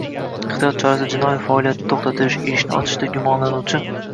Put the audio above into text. Ehtiyot chorasi jinoiy faoliyatni to‘xtatish, ishni ochishda gumonlanuvchi